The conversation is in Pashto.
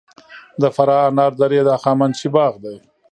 د فراه انار درې د هخامنشي باغ دی